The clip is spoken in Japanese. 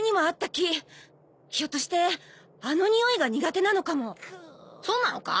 樹ひょっとしてあのにおいが苦手なのかもそうなのか？